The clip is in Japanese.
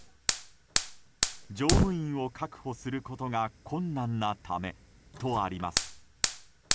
「乗務員を確保することが困難なため」とあります。